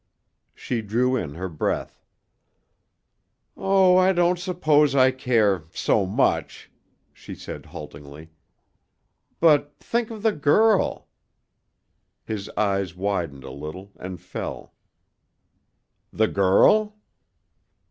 She drew in her breath. "Oh, I don't suppose I care so much," she said haltingly. "But think of the girl." His eyes widened a little and fell. "The girl?"